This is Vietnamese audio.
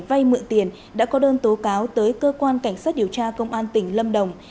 vay mượn tiền đã có đơn tố cáo tới cơ quan cảnh sát điều tra công an tỉnh lâm đồng